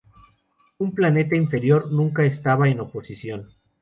Un planeta inferior nunca estaba en oposición.